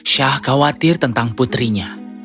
syah khawatir tentang putrinya